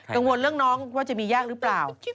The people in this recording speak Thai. กังวลเรื่องน้องว่าจะมียากหรือเปล่า